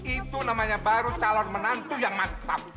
itu namanya baru calon menantu yang mantap